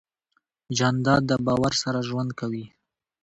جانداد د باور سره ژوند کوي.